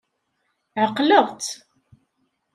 Ɛeqleɣ-tt.